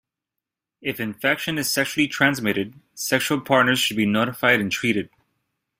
If infection is sexually transmitted, sexual partners should be notified and treated.